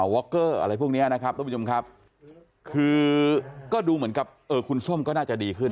ว็อกเกอร์อะไรพวกเนี่ยนะครับคือก็ดูเหมือนกับเออคุณส้มก็น่าจะดีขึ้น